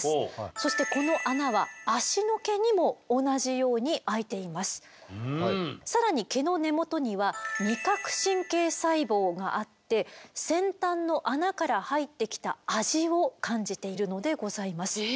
そしてこの穴は更に毛の根元には味覚神経細胞があって先端の穴から入ってきた味を感じているのでございます。